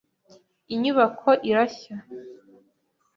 Inyubako irashya.